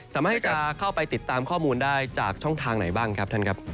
สามารถที่จะเข้าไปติดตามข้อมูลได้จากช่องทางไหนบ้างครับท่านครับ